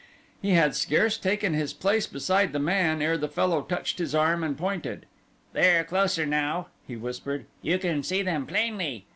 He had scarce taken his place beside the man ere the fellow touched his arm and pointed. "They are closer now," he whispered, "you can see them plainly."